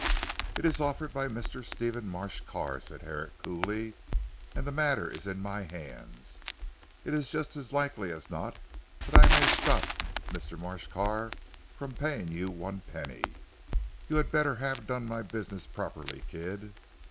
"It is offered by Mr. Stephen Marsh Carr," said Herrick coolly, "and the matter is in my hands. It is just as likely as not that I may stop Mr. Marsh Carr from paying you one penny. You had better have done my business properly Kidd."